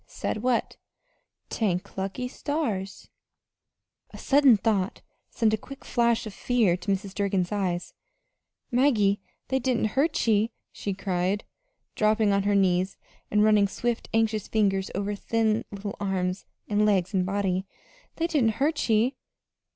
"Said what?" "'T'ank lucky stars.'" A sudden thought sent a quick flash of fear to Mrs. Durgin's eyes. "Maggie, they didn't hurt ye," she cried, dropping on her knees and running swift, anxious fingers over the thin little arms and legs and body. "They didn't hurt ye!"